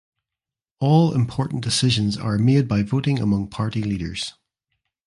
All important decisions are made by voting among party leaders.